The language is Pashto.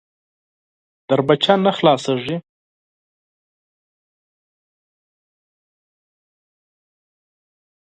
کړکۍ نه خلاصېږي .